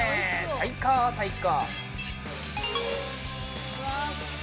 最高、最高！